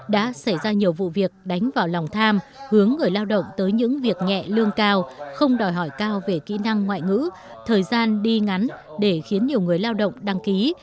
đã xảy ra nhiều vụ việc đánh vào lòng tham hướng người lao động tới những việc nhẹ lương cao không đòi hỏi cao về kỹ năng ngoại ngữ thời gian đi ngắn để khiến nhiều người lao động đăng ký